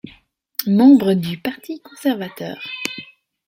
Membre du Parti conservateur.